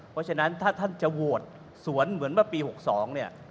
เพราะฉะนั้นถ้าท่านจะโหวตสวนเหมือนเมื่อปี๖๒เนี่ย